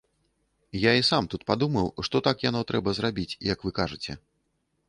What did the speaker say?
Я і сам тут падумаў, што так яно трэба зрабіць, як вы кажаце.